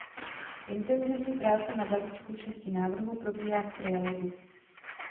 Intenzivní práce na balíčku šesti návrhů probíhá v trialogu.